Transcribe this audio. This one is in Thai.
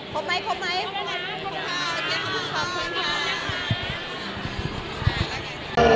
พร้อมไหมพร้อมไหมพร้อมค่ะขอบคุณค่ะ